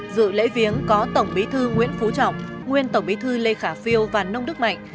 dự lễ viếng có tổng bí thư nguyễn phú trọng nguyên tổng bí thư lê khả phiêu và nông đức mạnh